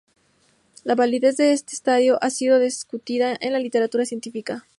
La validez de este estudio ha sido discutida en la literatura científica.